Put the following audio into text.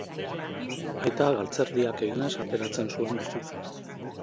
Aita galtzerdiak eginez ateratzen zuen bizitza.